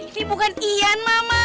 ini bukan iyan mama